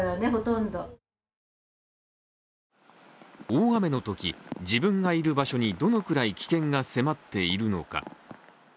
大雨のとき、自分がいる場所にどのくらい危険が迫っているのか。